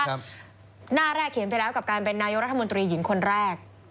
หน้าแรกเขียนไปแล้วกับการเป็นนายกรัฐมนตรีหญิงคนแรก